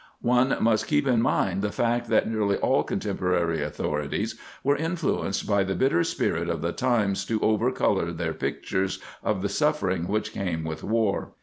^ One must keep in mind the fact that nearly all contemporary authorities were influenced by the bitter spirit of the times to over color their pict ures of the suffering which came with war.